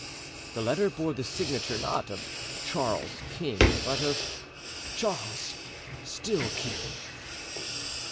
The letter bore the signature, not of "Charles, King," but of "Charles—still king."